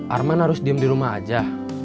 arman harus diem di rumah aja